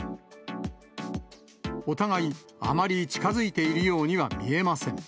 お互い、あまり近づいているようには見えません。